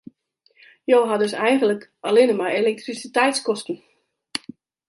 Jo ha dus eigenlik allinne mar elektrisiteitskosten.